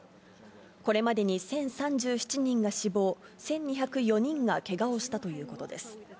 これまで１０３７人が死亡、１２０４人がけがをしたということです。